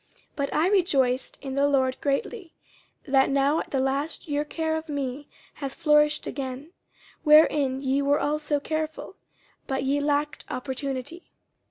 50:004:010 But I rejoiced in the Lord greatly, that now at the last your care of me hath flourished again; wherein ye were also careful, but ye lacked opportunity.